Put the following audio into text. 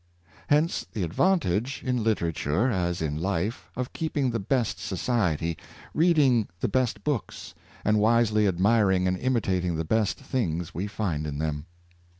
Hence the advantage, in literature as in life, of keeping the best society, reading the best booksy and wisely admiring and imitating the best things we find in them.